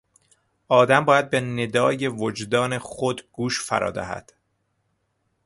آدم باید به ندای وجدان خود گوش فرا دهد.